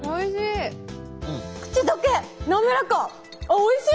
おいしい！